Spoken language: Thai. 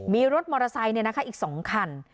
มีรถมอเตอร์ไซค์อีก๒คัน